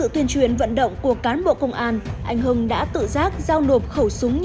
tuyên truyền vận động anh hưng tự nguyện giao đột khẩu súng